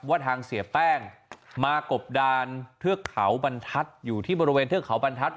ว่าทางเสียแป้งมากบดานเทือกเขาบรรทัศน์อยู่ที่บริเวณเทือกเขาบรรทัศน